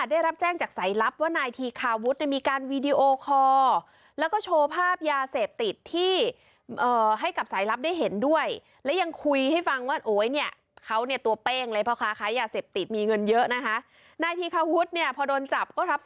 ได้รับแจ้งจากสายลับว่านายธีคาวุฒิลืชามีการวีดีโอคอร์